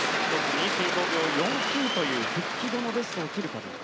２５秒４９という復帰後のベストを切ることができるか